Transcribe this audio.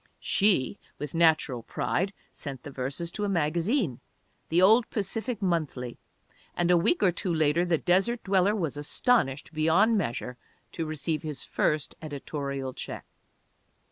She, with natural pride, sent the verses to a magazine, the old Pacific Monthly, and a week or two later the desert dweller was astonished beyond measure to receive his first editorial check.